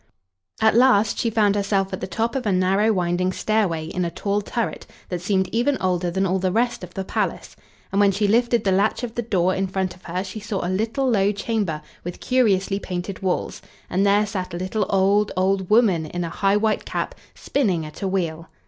At last she found herself at the top of a narrow winding stairway in a tall turret that seemed even older than all the rest of the palace. And when she lifted the latch of the door in front of her she saw a little low chamber with curiously painted walls, and there sat a little old, old woman in a high white cap, spinning at a wheel.